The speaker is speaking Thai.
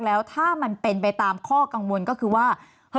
แล้วถ้ามันเป็นไปตามข้อกังวลก็คือว่า